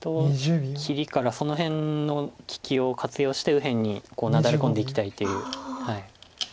切りからその辺の利きを活用して右辺になだれ込んでいきたいという。